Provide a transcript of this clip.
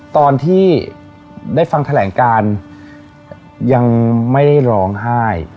ตอนที่ได้ฟังแถลงการยังไม่ได้ร้องไห้